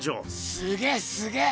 すげえすげえ！